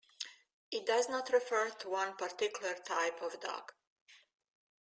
It does not refer to one particular type of dog.